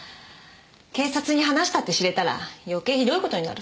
警察に話したって知れたら余計ひどい事になる。